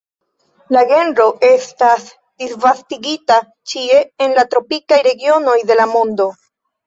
La genro estas disvastigita ĉie en la tropikaj regionoj de la mondo.